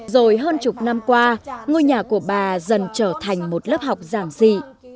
rồi hơn chục năm qua ngôi nhà của bà dần trở thành một lớp học giản dị